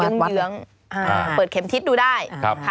ได้เปิดเข็มคลิปดูได้